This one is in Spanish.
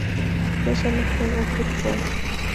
Yo solo juego fútbol".